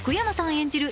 演じる